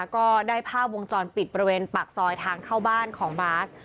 ก็ได้ภาพวงจรปิดบริเวณปากซอยทางเข้าบ้านของบาส